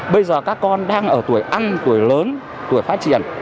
bây giờ các con đang ở tuổi ăn tuổi lớn tuổi phát triển